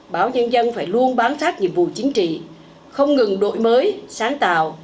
báo nhân dân phải luôn bán phát nhiệm vụ chính trị không ngừng đội mới sáng tạo